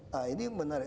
nah ini menarik